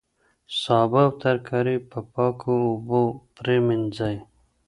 سابه او ترکاري په پاکو اوبو پریمنځئ.